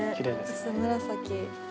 薄紫。